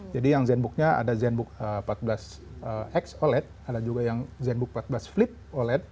jadi yang zenbook nya ada zenbook empat belas x oled ada juga yang zenbook empat belas flip oled